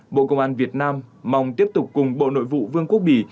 bộ công an việt nam mong tiếp tục cùng bộ nội vụ vương quốc bỉ